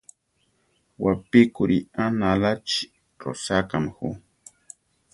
Wapíkuri aʼnaláchi rosákame jú.